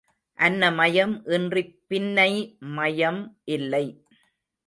அன்னமயம் இன்றிப் பின்னை மயம் இல்லை.